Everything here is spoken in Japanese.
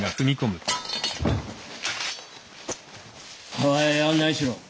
厠へ案内しろ。